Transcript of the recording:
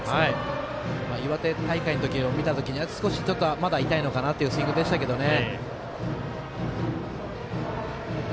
岩手大会の時を見た時にはまだ痛いのかなというスイングでしたけどね。